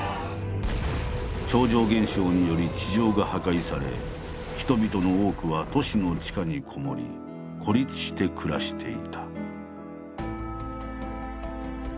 超常現象により地上が破壊され人々の多くは都市の地下にこもり孤立して暮らしていた。